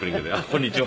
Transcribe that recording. こんにちは。